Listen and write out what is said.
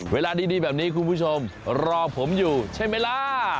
เวลาดีแบบนี้คุณผู้ชมรอผมอยู่ใช่ไหมล่ะ